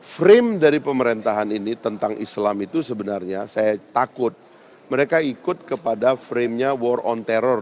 frame dari pemerintahan ini tentang islam itu sebenarnya saya takut mereka ikut kepada frame nya war on terror